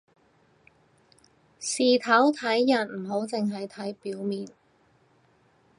事頭睇人唔好淨係睇表面